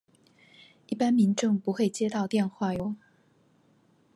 一般民眾不會接到電話唷